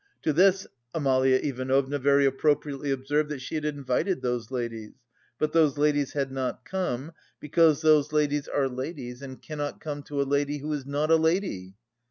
To this Amalia Ivanovna very appropriately observed that she had invited those ladies, but "those ladies had not come, because those ladies are ladies and cannot come to a lady who is not a lady."